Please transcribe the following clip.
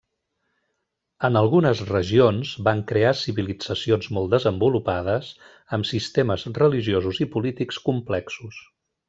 En algunes regions, van crear civilitzacions molt desenvolupades amb sistemes religiosos i polítics complexos.